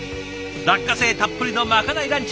落花生たっぷりのまかないランチ